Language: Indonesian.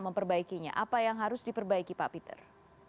memperbaikinya apa yang harus diperbaiki pak peter